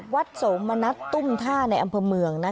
วัดโสมณะตุ้มท่าในอำเภอเมือง